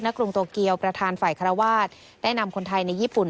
กรุงโตเกียวประธานฝ่ายคารวาสได้นำคนไทยในญี่ปุ่น